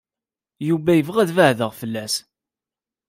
Yuba yebɣa ad beɛɛdeɣ fell-as.